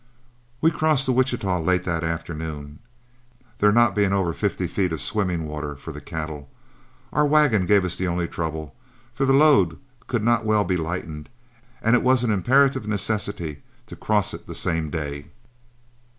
We crossed the Wichita late that afternoon, there being not over fifty feet of swimming water for the cattle. Our wagon gave us the only trouble, for the load could not well be lightened, and it was an imperative necessity to cross it the same day.